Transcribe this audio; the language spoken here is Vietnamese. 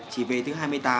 chỉ về thứ hai mươi tám